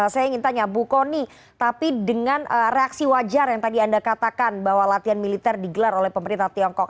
saya ingin tanya bu kony tapi dengan reaksi wajar yang tadi anda katakan bahwa latihan militer digelar oleh pemerintah tiongkok